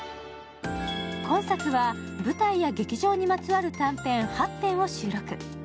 今作は舞台や劇場まつわる短編８編を収録。